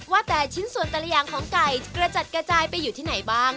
ว่าแต่ชิ้นส่วนแต่ละอย่างของไก่จะกระจัดกระจายไปอยู่ที่ไหนบ้าง